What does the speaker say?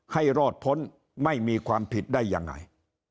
ให้รอดพ้นไม่มีความผิดได้ยังไง